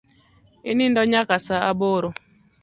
Inindo nyaka saa aboro?